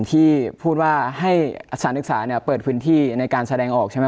ที่พูดว่าให้อัศดิกษาเปิดพื้นที่ในการแสดงออก